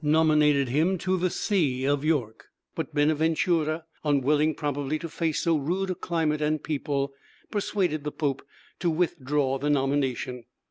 nominated him to the see of York; but Bonaventura, unwilling probably to face so rude a climate and people, persuaded the Pope to withdraw the nomination.